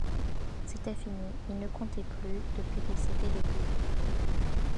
C’était fini, il ne comptait plus, depuis qu’il s’était dépouillé.